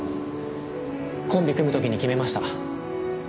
コンビ組む時に決めました。